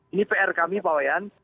ini pr kami pak wayan